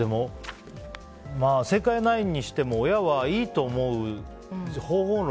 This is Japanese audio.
正解はないにしても親はいいと思う方法論